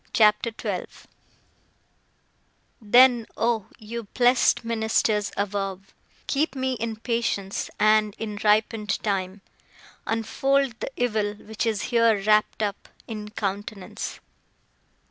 CHAPTER XII Then, oh, you blessed ministers above, Keep me in patience; and, in ripen'd time, Unfold the evil which is here wrapt up In countenance.